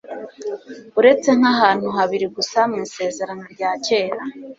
uretse nk'ahantu habiri gusa mu isezerano rya kera